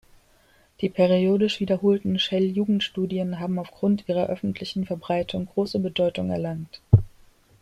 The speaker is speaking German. Die periodisch wiederholten Shell-Jugendstudien haben aufgrund ihrer öffentlichen Verbreitung große Bedeutung erlangt.